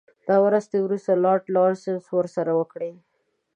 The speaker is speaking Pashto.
دا مرستې وروسته لارډ لارنس ورسره وکړې.